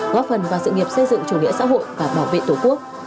góp phần vào sự nghiệp xây dựng chủ nghĩa xã hội và bảo vệ tổ quốc